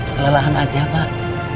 kelelahan aja pak